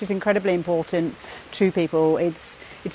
dan mengulangi pesan pesan kita